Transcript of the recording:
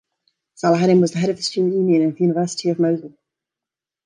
Salahaddin was the head of the student union of the University of Mosul.